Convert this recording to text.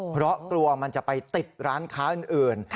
เพราะกลัวมันจะไปติดร้านค้าอื่น